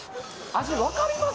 味、わかります？